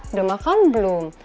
udah makan belum